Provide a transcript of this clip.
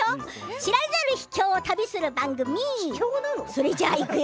知られざる秘境を旅する番組だよ。